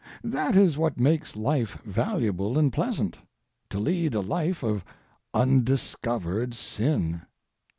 That is what makes life valuable and pleasant. To lead a life of undiscovered sin!